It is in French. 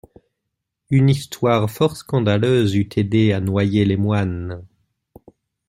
Une histoire fort scandaleuse eût aidé à noyer les moines.